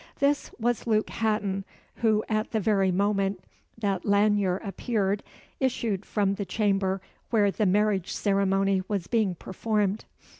This was Luke Hatton, who, at the very moment that Lanyere appeared, issued from the chamber where the marriage ceremony was being performed.